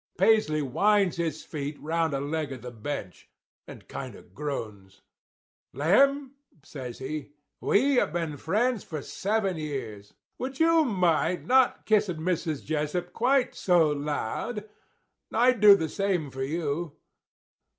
"Paisley winds his feet round a leg of the bench and kind of groans. "'Lem,' says he, 'we been friends for seven years. Would you mind not kissing Mrs. Jessup quite so loud? I'd do the same for you.